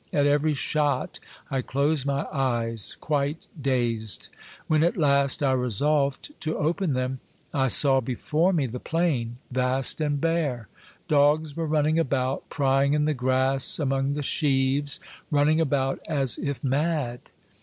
At every shot I closed my eyes, quite dazed ; when at last I resolved to open them, I saw before me the plain, vast and bare ; dogs were running about, prying in the grass, among the sheaves, running about as if mad.